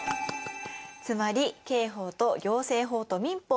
つまり刑法と行政法と民法。